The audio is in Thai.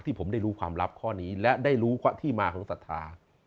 ผมได้รู้ความลับข้อนี้และได้รู้ที่มาของศรัทธา